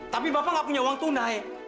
tapi bapak nggak punya uang tunai